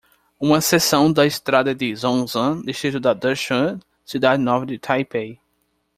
Uma seção da estrada de Zhongzheng, distrito de Danshui, cidade nova de Taipei